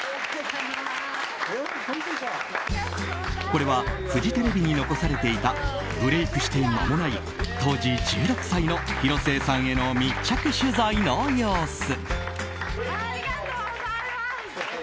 これはフジテレビに残されていたブレークして間もない当時１６歳の広末さんへの密着取材の様子。